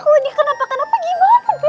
kalo dia kenapa kenapa gimana bel